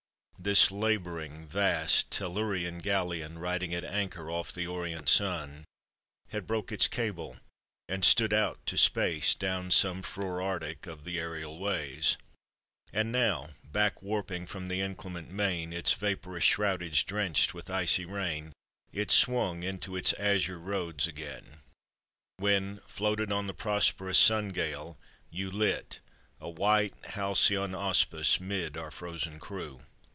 This labouring, vast, Tellurian galleon, Riding at anchor off the orient sun, Had broken its cable, and stood out to space Down some frore Arctic of the aerial ways: And now, back warping from the inclement main, Its vapourous shroudage drenched with icy rain, It swung into its azure roads again; When, floated on the prosperous sun gale, you Lit, a white halcyon auspice, 'mid our frozen crew.